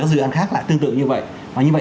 các dự án khác lại tương tự như vậy và như vậy